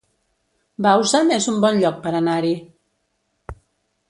Bausen es un bon lloc per anar-hi